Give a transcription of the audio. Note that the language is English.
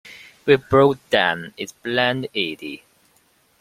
"We broke down," explained Edie.